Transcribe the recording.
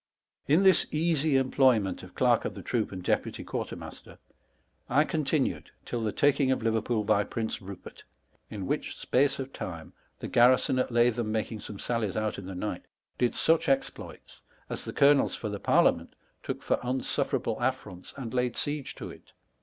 SEinroN XV. In this easie employment of dark of the troop and deputie quarter master, I continued till the taking of Leverpoole by Prince liuport ;* in which space of time, the garrison at Lathom making some sallies out in the night, did such exploits as the colonella for the parliament tooke for unsufferable affronts, and laid siege to it.